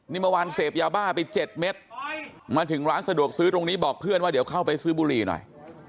นี่เมื่อวานเสพยาบ้าไป๗เม็ดมาถึงร้านสะดวกซื้อตรงนี้บอกเพื่อนว่าเดี๋ยวเข้าไปซื้อบุหรี่หน่อย